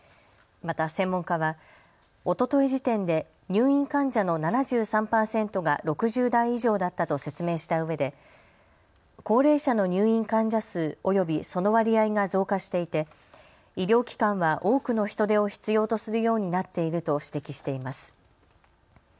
また専門家はおととい時点で入院患者の７３％が６０代以上だったと説明したうえで高齢者の入院患者数およびその割合が増加していて医療機関は多くの人手を必要とするようになっていると指摘しています。